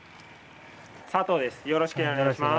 佐藤です。